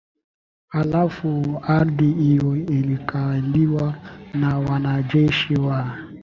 Halafu ardhi hiyo ilikaliwa na wanajeshi wa